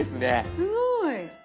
すごい。